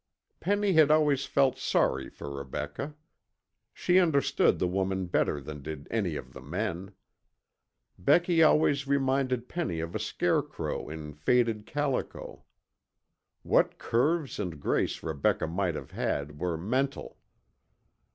Penny had always felt sorry for Rebecca. She understood the woman better than did any of the men. Becky always reminded Penny of a scarecrow in faded calico. What curves and grace Rebecca might have had were mental.